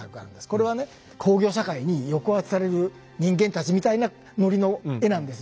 これはね「工業社会に抑圧される人間たち」みたいなノリの絵なんです。